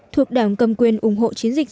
thuộc đảng cầm quyền ủng hộ chiến dịch